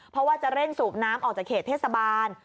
เพราะว่าจะเร่งสูบน้ำออกจากเขตเทศบาล